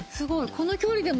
この距離でも。